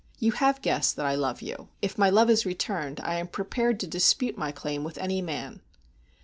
You have guessed that I love you. If my love is returned I am prepared to dispute my claim with any man."